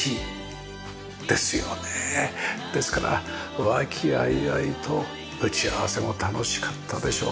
ですから和気あいあいと打ち合わせも楽しかったでしょう。